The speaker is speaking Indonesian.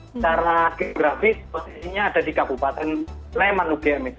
secara geografis posisinya ada di kabupaten leiman ugm itu